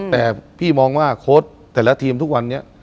แต่พี่มองว่าโค้ดแต่ละทีมทุกวันนี้